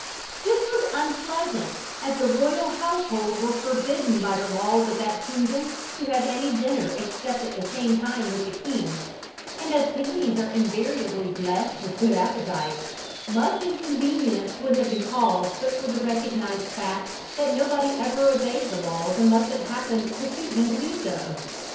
This was unpleasant, as the royal household were forbidden by the laws of that kingdom to have any dinner except at the same time with the king, and as pigmies are invariably blessed with good appetites, much inconvenience would have been caused but for the recognised fact that nobody ever obeyed the laws unless it happened to suit him to do so.